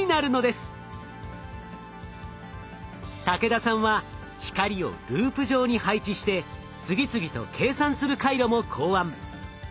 武田さんは光をループ上に配置して次々と計算する回路も考案。